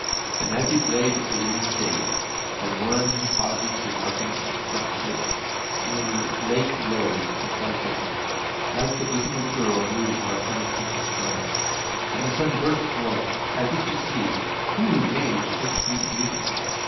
And as he played the wind stayed, as one who pauses to hearken with cleft lips, and the lake rose and fell gently, like the bosom of a girl moved by some plaintive song, and the sun burst forth as if to see who made such sweet music.